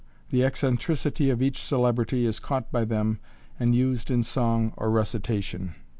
The eccentricity of each celebrity is caught by them, and used in song or recitation.